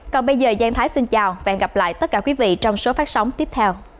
còn bây giờ giang thái xin chào và hẹn gặp lại tất cả quý vị trong số phát sóng tiếp theo